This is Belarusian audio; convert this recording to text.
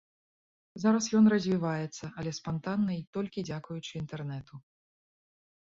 Зараз ён развіваецца, але спантанна і толькі дзякуючы інтэрнэту.